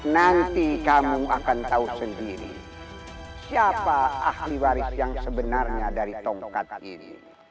nanti kamu akan tahu sendiri siapa ahli waris yang sebenarnya dari tongkat ini